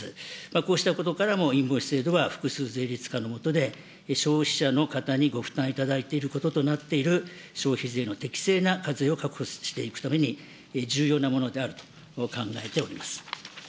こうしたことからも、インボイス制度は複数税率化のもとで消費者の方にご負担いただいていることとなっている消費税の適正な課税を確保していくために、重要なものであると考えております。